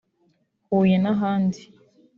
Huye n’ahandi